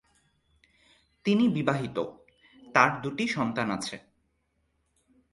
তিনি বিবাহিত, তার দুটি সন্তান আছে।